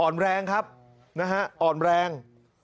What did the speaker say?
แรงครับนะฮะอ่อนแรง